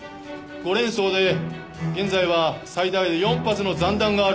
５連装で現在は最大で４発の残弾があると思われる。